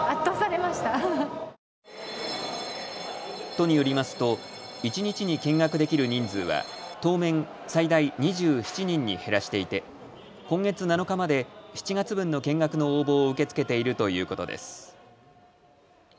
都によりますと一日に見学できる人数は当面、最大２７人に減らしていて今月７日まで７月分の見学の応募を受け付けているということです。